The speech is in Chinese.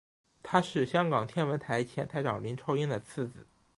他是香港天文台前台长林超英的次子。